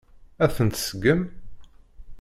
Ad tent-tseggem?